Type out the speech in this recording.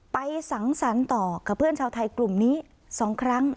สังสรรค์ต่อกับเพื่อนชาวไทยกลุ่มนี้๒ครั้ง